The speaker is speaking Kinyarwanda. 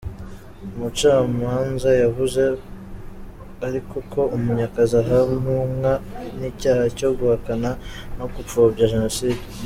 Umucamanza yavuze ariko ko Munyakazi ahamwa n’icyaha cyo guhakana no gupfobya Jenoside.